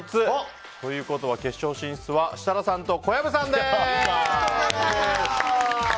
ということは決勝進出は設楽さんと小籔さんです！